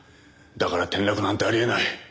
だから転落なんてあり得ない。